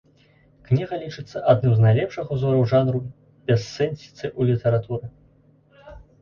Кніга лічыцца адным з найлепшых узораў жанру бяссэнсіцы ў літаратуры.